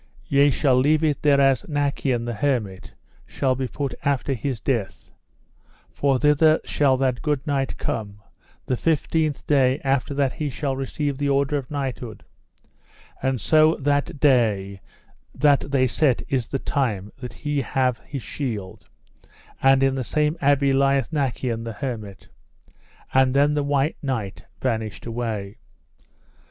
Ye shall leave it thereas Nacien, the hermit, shall be put after his death; for thither shall that good knight come the fifteenth day after that he shall receive the order of knighthood: and so that day that they set is this time that he have his shield, and in the same abbey lieth Nacien, the hermit. And then the White Knight vanished away.